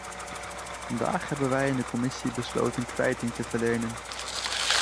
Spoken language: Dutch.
Vandaag hebben wij in de commissie besloten kwijting te verlenen.